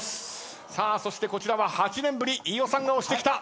そしてこちらは８年ぶり飯尾さんが押してきた。